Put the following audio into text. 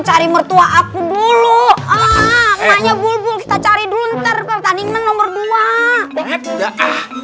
cari mertua aku dulu ah hanya bulbul kita cari dulu ntar pertandingan nomor dua tidak